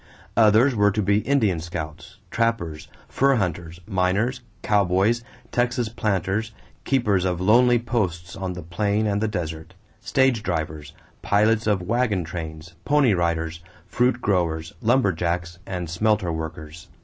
Others were to be Indian scouts, trappers, fur hunters, miners, cowboys, Texas planters, keepers of lonely posts on the plain and the desert, stage drivers, pilots of wagon trains, pony riders, fruit growers, "lumber jacks," and smelter workers.